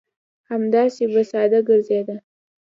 همداسې به ساده ګرځېده.